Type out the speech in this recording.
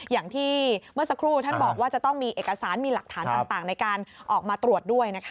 อย่างที่เมื่อสักครู่ท่านบอกว่าจะต้องมีเอกสารมีหลักฐานต่างในการออกมาตรวจด้วยนะคะ